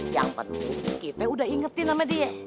yang empat kita udah ingetin sama dia